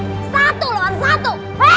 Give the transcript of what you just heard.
satu lawan satu